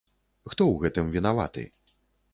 Хто ў гэтым вінаваты?